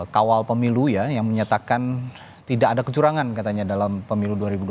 kawal pemilu ya yang menyatakan tidak ada kecurangan katanya dalam pemilu dua ribu dua puluh